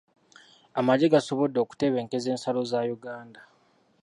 Amagye gasobodde okutebenkeza ensalo za Uganda.